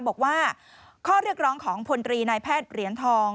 บอกว่าข้อเรียกร้องของพลตรีนายแพทย์เหรียญทอง